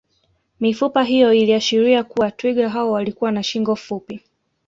Mifupa hiyo iliashiria kuwa twiga hao walikuwa na shingo fupi